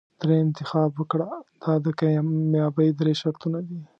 دریم انتخاب وکړه دا د کامیابۍ درې شرطونه دي.